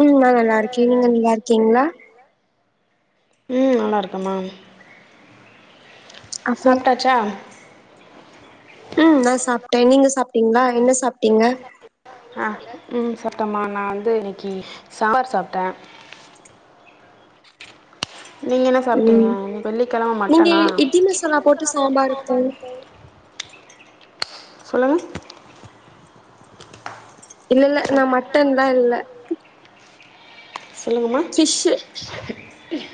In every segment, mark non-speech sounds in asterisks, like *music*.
உம் நா நல்லா இருக்கே நீங்க நல்லா இருக்கீங்ளா உம் நல்லா இருக்கமா சாப்ட்டாச்சா உம் நா சாப்ட்டே நீங்க சாப்ட்டீங்ளா என்ன சாப்ட்டீங்க சாப்ட்டமா நா வந்து இன்னைக்கு சாம்பார் சாப்ட்டே உம் நீங்க இட்லி மசாலா போட்டு சாம்பார் வெப்ப சொல்லுங்க இல்ல இல்ல நா மட்டன்லா இல்ல சொல்லுங்கமா ம்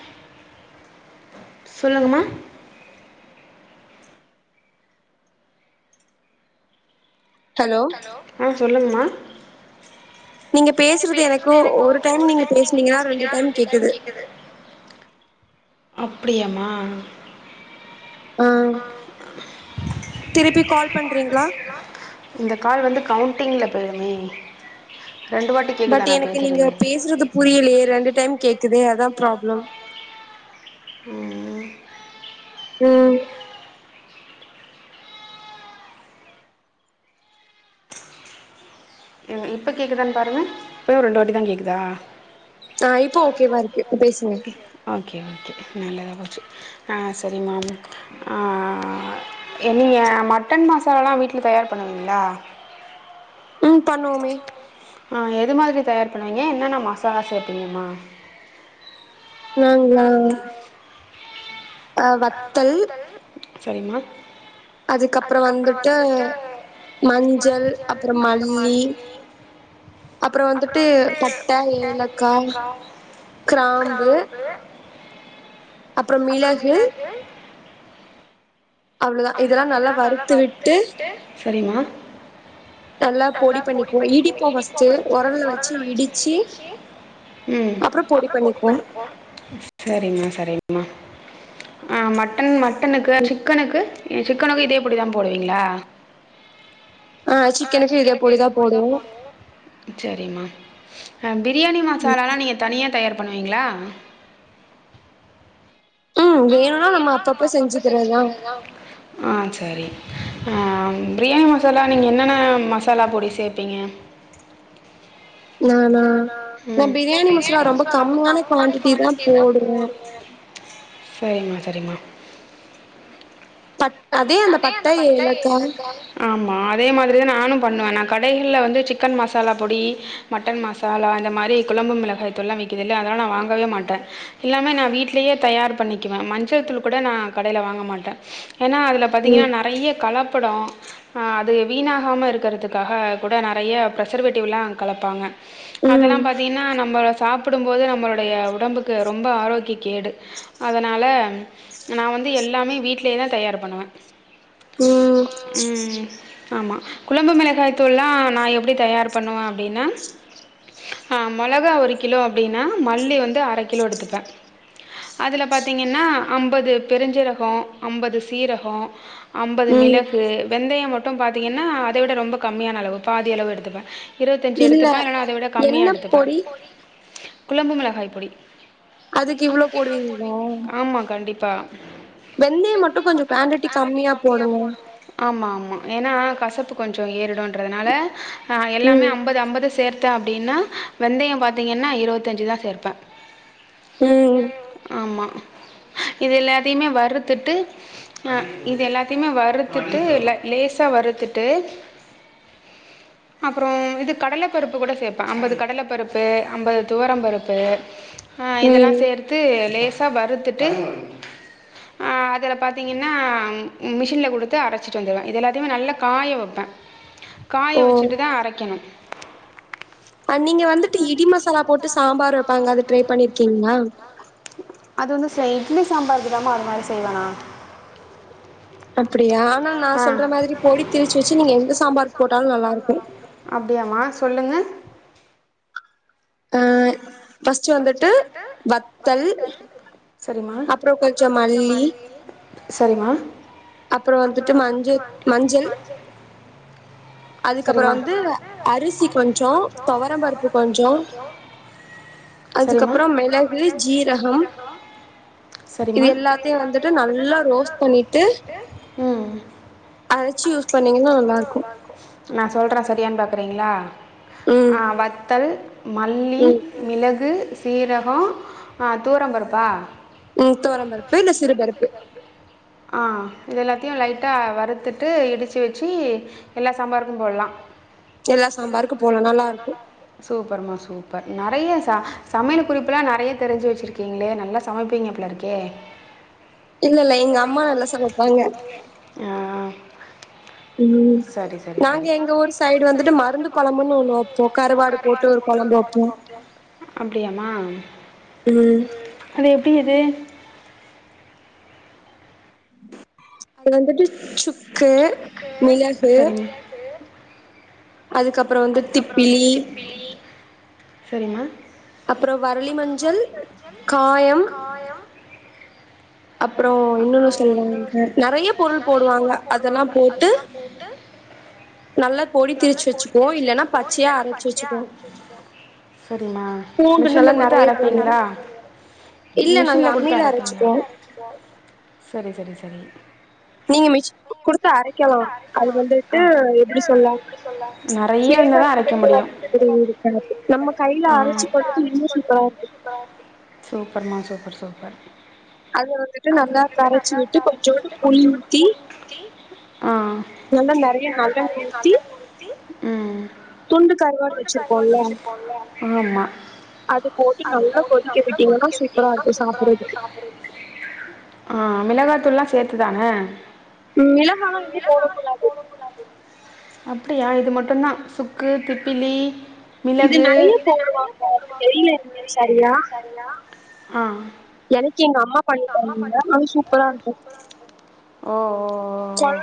சொல்லுங்கமா ஹலோ ஆ சொல்லுங்கமா நீங்க பேசுறது எனக்கு ஒரு டைம் நீங்க பேசுனீங்கன்னா ரெண்டு டைம் கேக்குது அப்டியாமா ஆ திருப்பி கால் பண்றீங்ளா கால் வந்து கவுண்டிங்கில போயிருமே பட் எனக்கு நீங்க பேசுறது புரியலையே ரெண்டு டைம் கேக்குதே அதா ப்ராப்ளம் உம் உம் இப்ப கேக்குதான்னு பாருங்க இப்பவு‍ ரெண்டு வாட்டி தா கேக்குதா ஆ இப்போ ஓகே வா இருக் ஓகே நல்லதா போச்சு ஆ சரிமா‌ ஆ நீங்க மட்டன் மசாலலா வீட்ல தயார் பண்ணுவீங்ளா உம் பண்ணுவோமே ஆ எது மாதிரி தயார் பண்ணுவீங்க என்னன்ன மசாலா சேப்பீங்கமா நாங்களா அ வத்தல் சரிம்மா அதுக்கப்புற வந்துட்டு மஞ்சள் அப்றோ மல்லி அப்றோ வந்துட்டு பட்ட ஏலக்கா கிராம்பு அப்புறோ மிளகு சேரிங்க ம் சேரிங்க சேரிங்க ஆ மட்டன் ம மட்டனுக்கு சிக்கனுக்கு ஏ சிக்கனுக்கு இதே பொடி போடுவீங்களா ஆ சிக்கனுக்கு இதே பொடிதா போடுவோ சேரிங்க அன் பிரியணி மசாலாலா நீங்க தனியா தயார் பண்ணுவீங்ளா ஆ சேரி ஆ பிரியாணி மசாலா நீங்க என்னென்ன மசாலா பொடி சேப்பீங்க ம் சேரிங்க சரிங்க ஆமா அதே மாரி அதே நானு பண்ணுவே நா கடையில வந்து சிக்கன் மசாலா பொடி மட்டன் மசாலா அந்த மாரி குழம்பு மிளகாய் தூள்லா விக்குதுல இல்ல அதெல்லா நா வாங்கவே மாட்டே எல்லாமே நா வீட்ட்லயே தயார் பண்ணிக்குவே மஞ்சள் தூள் கூட நா கடையில வாங்க மாட்டே ஏனா அதல பாத்திங்கன்னா நெறைய கலாப் படோ அ அது வீணாகாம இருக்கிறதுக்காக கூட நெறைய ப்சர்சிருவேட்டிவ்லா கலப் பங்க அதெல்லா பாத்தீங்கன்னா நம்ம வ சாப்பிடுபோது நம்மளுடைய உடம்புக்கு ரொம்ப ஆரோக்கிய கேடு அதனால நா வந்து எல்லாமே வீட்டிலே தா தயார் பண்ணுவே ம் ஆமா குழம்பு மிளகாய் தூள்ல்லா நா எப்டி தயார் பண்ணுவே அப்டின்னா ஆ மோளகா ஒரு கிலோ அப்டின்னா மல்லி வந்து அரை கிலோ எடுத்துப்பே அதுல பாத்தீங்கன்னா அம்பது பெருஞ்சரககு அம்பது சீரக அம்பது மிளகு வெந்தயம் மட்டு பாத்தீங்கன்னா அத விட ரொம்ப கம்மியான அளவு பாதி அளவு எடுத்துப்பே இருவத்திதஞ்சு எடுத்து ந அத விட கம்மியா எடுத்துப்பே குழம்பு மிளகாய் பொடி ஆமா கண்டிப் டா வெந்தய மட்டும் கொஞ்ச குவாண்டடி கம்மியா போடுங்க ஏன்னா கசப்பு கொஞ்ச ஏறிடுன்றதுனால ஆ எல்லாமே அம்பது அம்பதுஸ் சேர்த்தே அப்பிடின்னா வெந்தய பாத்தீங்கன்னா இருபத்தஞ்சி தா சேர்ப்பேன் ஆமா இது எல்லாத்தையுமே வருறுத்துட்டு அ இது எல்லாத்தையுமே வறுத்துட்டு லேசா வருறுத்துட்டு அப்புறோ இது கடலை பருப்பு கூட சேப்பே அம்பது கடலை பருப்பு அம்பது துவரம் பருப்பு ஆ இதெல்லா சேர்த்து லேசா வறுத்து டு அதுல பாத்தீங்கன்னா மிஷின்ல குடுத்து அரைச்சிட்டு வந்துவேன் இது எல்லாத்தையுமே நல்லா காய வைப்பேன் காய வச்சுட்டு தா அரைக்கணு அ நீங்க வந்துட்டு இடி மசாலா போட்டு சாம்பார் வப்பாங்கனு ட்ரை பண்ணிருக்கீங்ளா அது வந்து சில இட்லி சாம்பாருக்கு தா அது மாரி செய்வேன் நா அப்டியா ஆனா நா சொல்ற மாரி பொடி திரிச்சு வச்சு நீங்க எந்த சாம்பார் போட்டாலு நல்லாருக்கும் சொல்லுங்க ம பஸ்ட் வந்துட்டு வத்தல் சரிமா அப்புற கொஞ்ச மல்லி சரிமா அப்புற வந்துட்டு மஞ்ச மஞ்சள் அதுக்கப்புற வந்து அரிசி கொஞ்சோ துவரம்பருப்பு கொஞ்சோ அதுக்கப்புற மிளகு ஜீரகம் இது எல்லாத்தையு வந்துட்டு நல்லா ரோஸ்ட் பண்ணிட்டு அரைச்சு யூஸ் பண்ணிங்கன்னா நல்லாருக்கும் நா சொல்றேன் சரியான் பாக்குறீங்கிளா ஆ வத்தல் மல்லி மிளகு ம் சீரகம் துவரம்பருப்பா ஆ இது எல்லாத்தையு லைட்டா வறுத்துட்டு இடித்து வச்சு எல்லா சாம்பாருக்கு போட்லாம் சூப்பர்மா சூப் இப்ப நெறைய சா சமையல் குறிப்புல்லா நெறைய தெரிஞ்சு வச்சுருக்கீங்ளே நல்லா சமைப்பீங்க போலருக்கே இல்லல்ல எங்க அம்மா நல்லா சமப்பாங்க ம் நாங்க எங்க ஊர் சைடு வந்துட்டு மருந்து கொழம்புன்னு ஒன்னு வப்போ கருவாடு போட்டு ஒரு கொழம்பு வப்போ ப்டியாமா அது எப்டி இது அது வந்துட்டு சு க்கு மிளகு அதுக்கப்றொ வந்து திப்பிலி செரிம்மா அப்ற வரலி மஞ்சள் காயம் அப்றோ இன்னொன்னு சொல்வாங்க நறைய பொருள் போடுவாங்க அதெல்லா போட்டு நல்லா பொடி திரிச்சு வச்சுக்குவோ ச்சு வச்சுப்போம் இல்லைன்னா பச்சையே ஆரம்பிச்சு வச்சுப்போம் செரிம்மா மிஷின்ல குடுத்து அரப்பீங்ளா மிஷின்ல குடுத்து அரப்பிங்ளா சரி சரி சரி நீங்க மிஷின்ல குடு நறைய இருந்தாதா அரைக்க முடியு சூப்பர்மா சூப்பர் சூப்பர் அத வந்துட்டு நல்லா கரச்சு விட்டு கொஞ்சோன்டு புளி ஊத்தி நல்லா நறைய நல்லெண்ண ஊத்தி ம் ஆமா ஆ மிளகா தூள்லா சேத்துதான ம் மிள காலா எது போடக்கூடாது அப்டியா இது மட்டுந்தா சுக்கு திப்பிலி இது நறைய போடுவாங்க அது தெரியில இன்னு சரியா ஆ எனக் ஓ ஓ ஓ ஓ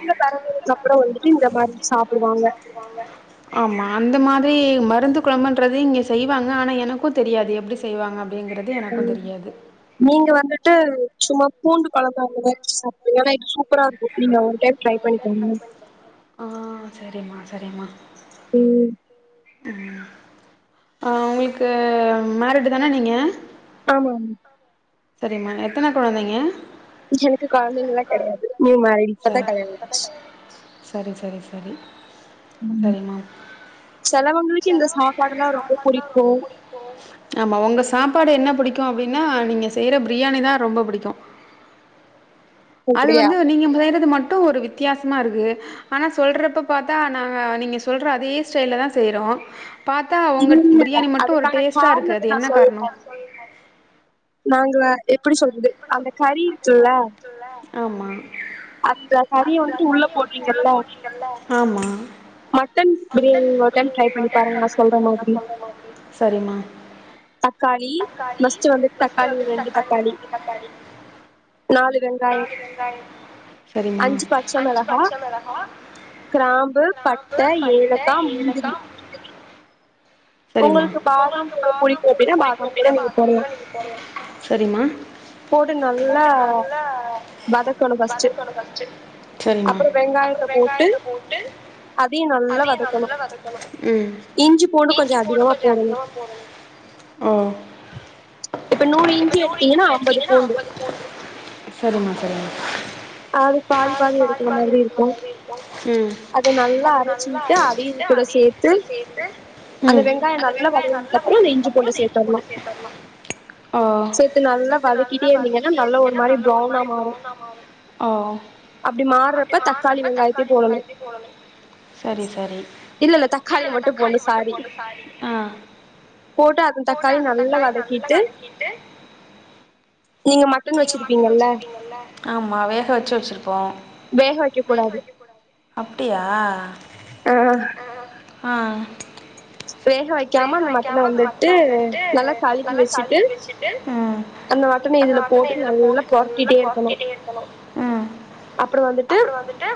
ஆமா அந்த மாரி மருந்து கொழம்புன்றது இங்க செய்வாங்க ஆனா எனக்கு தெரியாது எப்டி செய்வாங்க அ ப்டிங்குறது எனக்கு தெரியாது ட்டு சும்மா பூண்டு கொழம்பு அந்த மாரி சாப்பிடு ஏன்னா இது சூப்பரா இருக்கு அப்டிங்க ஆ சரிம்மா சரிமா ம் ஆ உங்களுக்கு மேரிட்டு் தானே நீங்க ஆமா ஆமா சரிம்மா எத்தன கொழந்தைங்க எனக்கு கொழந்தைங்கல்லா கிடையாது நியூ மேரிட் இப்பதா கல்யாணமாச்சி சரி ம் செலவங்களுக்கு இந்த சாப்பாடுனா ரொம்ப புடிக்கு ஆமா உங்க சாப்பாடு என்ன பிடிக்கு அப்டின்னா நீங்க செய்ற பிரியாணி தா ரொம்ப புடிக்கு அது வந்து நீங்க செய்யுறது மட் ட்டு ஒரு வித்தியாசமா இருக்கு ஆனா சொல்றப்ப பார்த்தா நாங்க நீங்க சொல்ற அதே ஸ்டைல்ல தா செய்யறோ இல்ல அதுக்கான காரணத்த நா சொல்றே நாங்க எப்டி சொல்றது அந்த கறி இருக்குல ஆமா அ தண்ணி வந்து உள்ள போனீங்கல்ல ஆமா மட்டன் பிரியாணி ஒருடைம் ட்ரை பண்ணிபாருங்க நா சொல்ற மாதிரி தக்காளி ஃபர்ஸ்ட் வந்து தக்காளி ஒரு ரெண்டு தக்காளி தக்காளி நாலு வெங்காயோ சரிம்மா அஞ்சு பச்ச மொளகா பட்ட ஏலக்கா முந்திரி சரிமா உங்களுக்கு பாதம் கூட புடிக்கு அப்டின்னா பாதம் கூட நீங்க போடலா சரிமா போட்டு நல்லா வதக்கணு ஃபஸ்ட்டு சரி அப்புறோ வெங்காயத்த போட்டு அதையு நல்லா வதக்கணு ம் இஞ்சி பூடு கொஞ்சோ அதிகமா போடணு ஓ இப்ப நூறு இஞ்சி எடுத்தீங்கன்னா சரிமா *unintelligible* அது பாதி பாதி எடுக்கிற மாதிரி இருக்கு ம் அத நல்லா அரைச்சுட்டு அதயு இது கூட சேர்த்து ம் அந்த வெங்காயோ நல்லா வதங்குனதுக்கப்புறோ அந்த இச்சிபூண்ட சேத்தர்னு சோ இது நல்லா வதக்கிட்டே இருந்தீங்கன்னா நல்லா ஒரு மாரி ப்ரௌனா மாறு அவ் அப்டி மாறப்ப தக்காளி வெங்காயத்தையு போடணு இல்ல தக்காளி மட்டு போடணு நீங்க மட்டன் வச்சிரிப்பீங்கல்ல ஆமா வேக வச்சி வச்சிருக் போ அப்பிடியா ஆ வேக வைக்காம அந்த மட்டன வந்துட்டு நல்லா கழுவி வச்சுட்டு அந்த மட்டன இதுல போட்டு நல்லா குவாட்டிட்டே இருக்கணு ம் அப்புரோ வந்துட்டு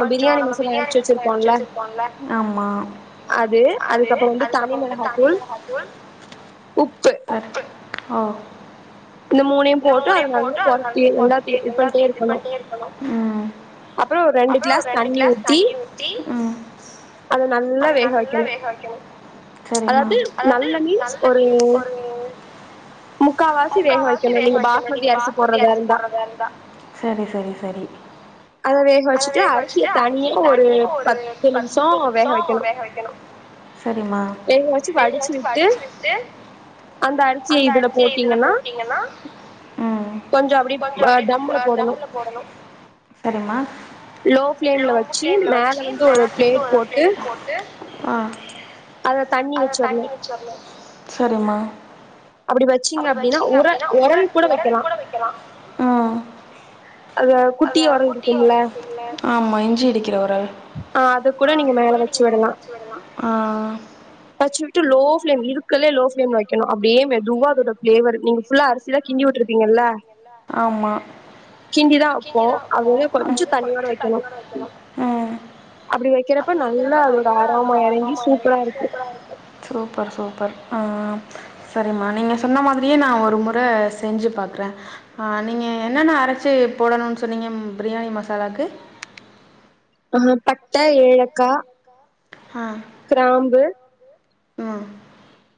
கொஞ்சோ நம்ம பிரியாணி மசாலா அரச்சி வச்சிருப்போல்ல ஆமா அது அதுக்கப்புரோ வந்து தனி மிளகாத்தூள் உப்பு ஓ இந்த மூணையு போட்டு அது நல்ல பொரட்டி நல்லா இது பண்ட்டே இருக்கணு ம் அப்புறோ ரெண்டு கிளாஸ் தண்ணி ஊத்தி ம் அது நல்லா வேக வைக்கணு.. கரிம்மா அதாது நல்ல மீன்ஸ் ஒரு முக்கா வாசி வேக வைக்கனு நீங்க பாஸ்மதி அரிச்சி போடறத இருந்தா சரி சரி சரி அத வேக வச்சிட்டு அரிசி தனியா ஒரு பத்து நிமிஷோ வேக வைக்கனு சரிம்மா வேக வச்சி வடிச்சிவிட்டு அந்த அரிசிய இதுல போட்டீங்கன்னா ம் கொஞ்சோ அப்பிடிய அ தம்ல போடணு ச ல்லமா லோ பிளேம்ல வச்சி மேல இருந்து ஒரு பிலேட் போட்டு ஆ அத தண்ணி வச்சரனு சரிம்மா அப்பிடி வச்சீங்க அப்பிடின்னா உர ஒரல் கூட வைக்கலா ம் அத குட்டி ஒரல் இருக்குலல் ஆமா இஞ்சி இடிக்கிற ஒரள் ஆ அது கூட நீங்க மேல வச்சி விடலா ஆ வச்சுவிட்டு லோ பிளேம் இருக்கலே லோ பிளேம் வைக்கு அப்பிடியே மெதுவா அதோட பிளாவர் நீங்க ஃபுல்லா அரிசிலா கிண்டி விட்ருப்பீங்கல்ல ஆமா.. கிண்டிதா வைப்போ அதோட கொஞ்சோ தண்ணியோட வைக்கணு - ம் -அப்பிடி வைக்கிறப்ப நல்லா அதோட ஆராமா இறங்கி சூப்பரா இருக்கு சூப்பர் சூப்பர் ம் சரிம்மா நீங்க சொன்ன மாதிரியே நா ஒரு முற செஞ்சி பாக்கறே ஆ நீங்க என்னென்ன அரச்சி போடணுன்னு சொன்னீங்க பிரியாணி மசாலாக்கு ஆ பட்ட ஏழக்கா ஆ திராம்பு ம்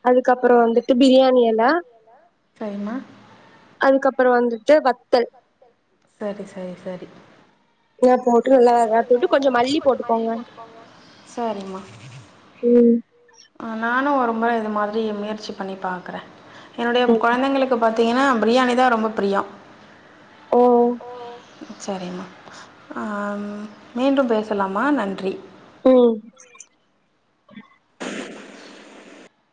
அதுக்கப்புறோ வந்துட்டு பிரியாணி எல தைய்மா அதுக்கப்புறோ வந்துட்டு வத்தல் சரி சரி சரி டு நல்லாதா இருக்கன் போட்டு கொஞ்சோ மல்லி போட்டுக்கோங்க சரிம்மா நானும் ஒரு ம்ம இது மாதிரி முயற்சி பண்ணி பாக்கறே என்னுடைய கொழந்தைங்களுக்கு பாத் பாத்தீங்கன்னா பிரியாணி தான் ரொம்ப பிரியம் ஓ சரிம்மா ஆ மீண்டும் பேசலாமா நன்றி ம்